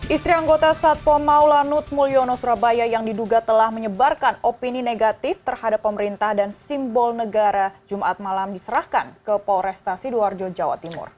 istri anggota satpo maulanut mulyono surabaya yang diduga telah menyebarkan opini negatif terhadap pemerintah dan simbol negara jumat malam diserahkan ke polresta sidoarjo jawa timur